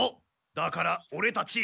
だからオレたち。